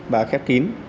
và khép kín